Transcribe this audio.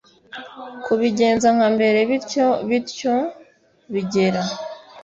kubigenza nka mbere bityo bityo bigera